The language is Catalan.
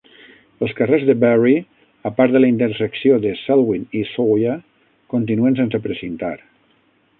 Els carrers de Barry, a part de la intersecció de Selwyn i Sawyer, continuen sense precintar.